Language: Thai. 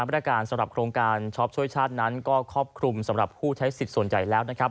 บริการสำหรับโครงการช็อปช่วยชาตินั้นก็ครอบคลุมสำหรับผู้ใช้สิทธิ์ส่วนใหญ่แล้วนะครับ